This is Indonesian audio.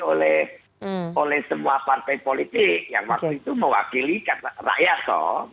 oleh semua partai politik yang waktu itu mewakili rakyat kok